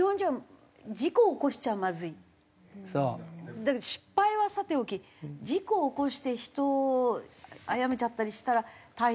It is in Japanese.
だから失敗はさておき事故を起こして人を殺めちゃったりしたら大変。